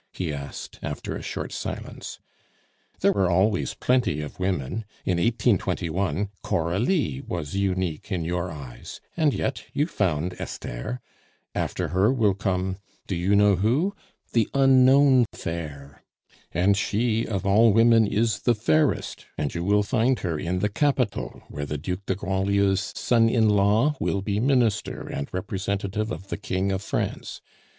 he asked, after a short silence. "There are always plenty of women. In 1821 Coralie was unique in your eyes; and yet you found Esther. After her will come do you know who? the unknown fair. And she of all women is the fairest, and you will find her in the capital where the Duc de Grandlieu's son in law will be Minister and representative of the King of France.